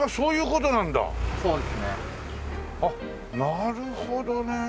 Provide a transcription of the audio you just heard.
なるほどね。